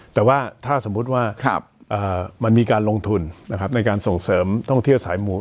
แต่ว่าถ้าสมมุติว่ามันมีการลงทุนในการส่งเสริมท่องเที่ยวสายหมู